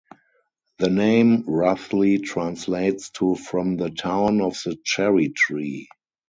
The name roughly translates to "from the town of the cherry tree".